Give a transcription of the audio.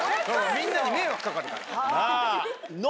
みんなに迷惑かかるから。